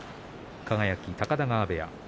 輝、高田川部屋。